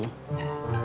kamu kerja sih